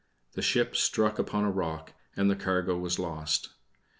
The ship struck upon a rock, and the cargo was lost.